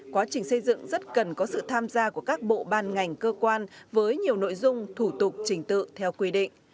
quá trình xây dựng rất cần có sự tham gia của các bộ ban ngành cơ quan với nhiều nội dung thủ tục trình tự theo quy định